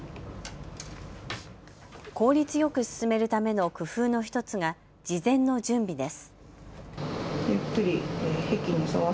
効率よく進めるための工夫の１つが事前の準備です。